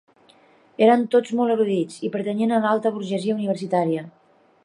Eren tots molt erudits, i pertanyien a l'alta burgesia universitària.